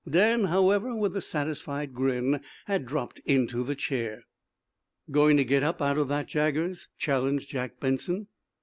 Dan, however, with a satisfied grin, had dropped into the chair. "Going to get up out of that, Jaggers?" challenged Jack Benson.